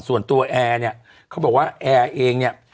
ส่วนตัวแอร์เนี่ยเขาบอกว่าแอร์เองเนี่ย